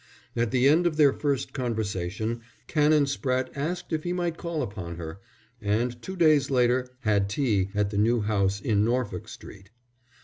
At the end of their first conversation Canon Spratte asked if he might call upon her, and two days later had tea at the new house in Norfolk Street.